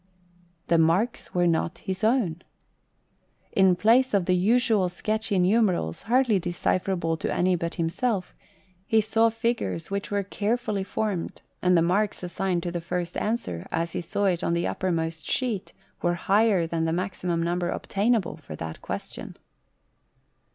The marks were not his own. In place of the usual sketchy numerals, hardly decipherable to any but himself, he saw figures which were care fully formed ; and the marks assigned to the first answer, as he saw it on the uppermost sheet, were higher than the maximum number obtainable for that question.